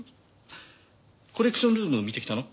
コレクションルーム見てきたの？